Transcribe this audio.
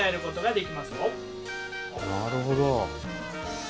なるほど。